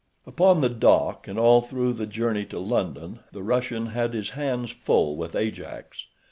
Upon the dock and all through the journey to London the Russian had his hands full with Ajax.